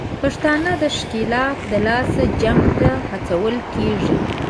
پښتانه د ښکېلاک دلاسه جنګ ته هڅول کېږي